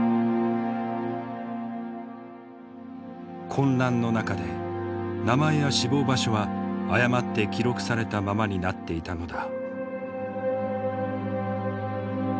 混乱の中で名前や死亡場所は誤って記録されたままになっていたのだ。